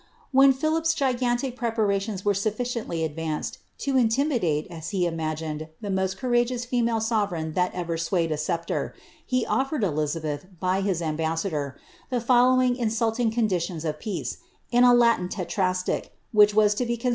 When Philip's gigantic preparaiiona were suinciently advanced to inti midate, as he imagined, the most courageous female sovereign that ever swayed a sceptre, he offered Elizabeth, by his ambassador, the followiif insulting conditions of peace, in a liatin letrasiic, which was to be cdd.